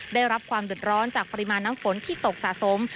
ได้รับความเดือดร้อนจากปริมาณน้ำฝนที่ตกสะสม